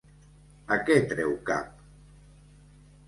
A què treu cap?